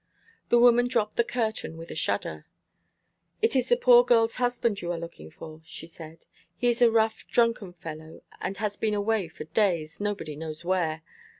The woman dropped the curtain with a shudder. 'It is the poor girl's husband you are looking for,' she said. 'He is a rough, drunken fellow, and has been away for days, nobody knows where.